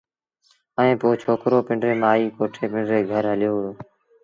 ائيٚݩ پو ڇوڪرو پنڊريٚ مآئيٚ ڪوٺي پنڊري گھر هليو وهُڙو